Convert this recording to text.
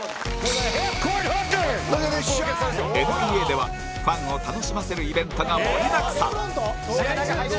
ＮＢＡ ではファンを楽しませるイベントが盛りだくさん！